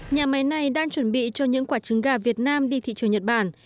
nhà máy này đang chuẩn bị cho những quả trứng gà việt nam đi thị trường nhật bản